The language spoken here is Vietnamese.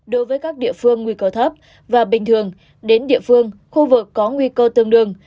đối với các địa phương nguy cơ thấp và bình thường đến địa phương khu vực có nguy cơ tương đương